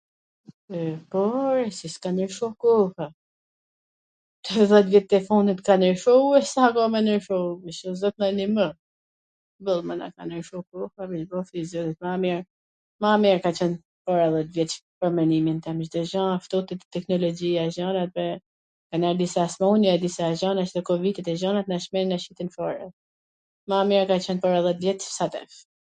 po, ore, si s'ka nryshu kooha? Kto dhjet vjett e funit ka nryshu e sa ka me nryshu, wsht zot na nimo! u myllm e na ka nryshu koha ... ma mir, ma mir ka qwn para dhjet vjetsh pwr menimin tim Cdo gja ....t ftotit teknologjia e gjana, kan ra disa smun-je, disa gjana kto kovidi e gjana na Cmendwn na qitwn fare, ma mir ka qwn para dhjet vjetsh sesa tash